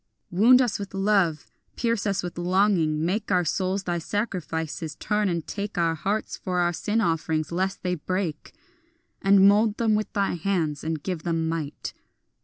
Wound us with love, pierce us with longing, make Our souls thy sacrifices; turn and take Our hearts for our sin offerings lest they break, And mould them with thine hands and give them might.